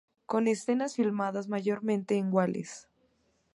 Con escenas filmadas mayormente en Wales.